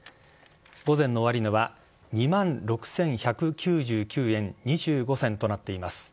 午前の終値は２万６１９９円２５銭となっています。